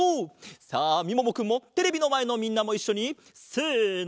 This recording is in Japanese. さあみももくんもテレビのまえのみんなもいっしょにせの！